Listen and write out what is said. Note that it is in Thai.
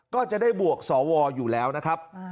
ก็จะได้บวกสวอยู่แล้วนะครับ